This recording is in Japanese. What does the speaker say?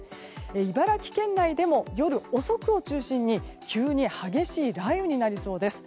茨城県内でも夜遅くを中心に急に激しい雷雨になりそうです。